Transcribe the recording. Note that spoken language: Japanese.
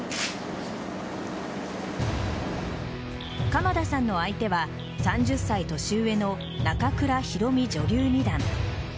鎌田さんの相手は３０歳年上の中倉宏美女流二段。